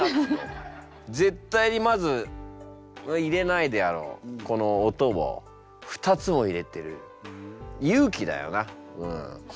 絶対にまず入れないであろうこの音を２つも入れてる勇気！？